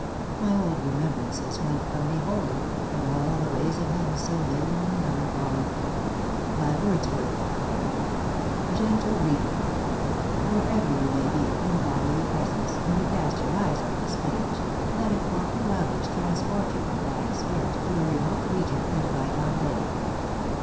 My old remembrances went from me wholly, And all the ways of men so vain and melancholy. WORDSWORTH. GENTLE READER : Wherever you may be, in bodily presence, when you cast your eyes on this page, let it for a few hours transport your complying spirit to a remote region and a bygone day.